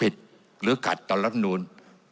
ผิดหรือกัดตอนรัฐมนตรี